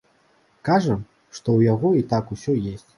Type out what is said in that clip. Кажа, што ў яго і так усё ёсць.